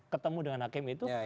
ketemu dengan hakim itu